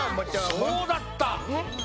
そうだった！